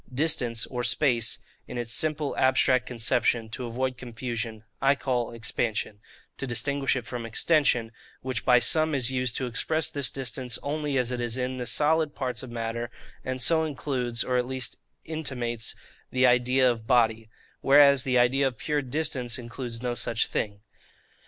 Distance or space, in its simple abstract conception, to avoid confusion, I call EXPANSION, to distinguish it from extension, which by some is used to express this distance only as it is in the solid parts of matter, and so includes, or at least intimates, the idea of body: whereas the idea of pure distance includes no such thing.